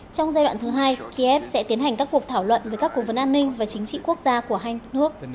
trong giai đoạn thứ hai kiev sẽ tiến hành các cuộc thảo luận về các cố vấn an ninh và chính trị quốc gia của hai nước